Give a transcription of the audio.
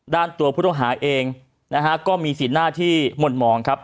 ด้านตัวผู้ต้องหาเองนะฮะก็มีสีหน้าที่หม่นมองครับ